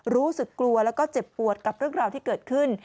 รู้สึกกลัวแล้วก็เจ็บปวดกับเรื่องราวที่เกิดขึ้น